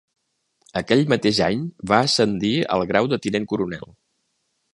Aquell mateix any va ascendir al grau de tinent coronel.